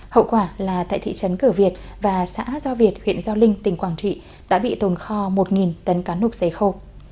hậu quả là tại thị trấn cửa việt và xã do việt huyện do linh tỉnh quảng trị đã bị tồn kho một tấn cá nục xề khô